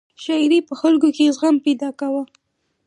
شاعرۍ په خلکو کې زغم پیدا کاوه.